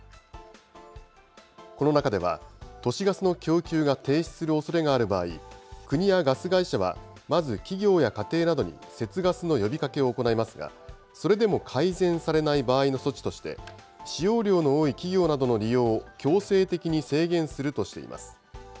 この中では、都市ガスの供給が停止するおそれがある場合、国やガス会社は、まず企業や家庭などに節ガスの呼びかけを行いますが、それでも改善されない場合の措置として、使用量の多い企業などの利用を強制的に制限するとしています。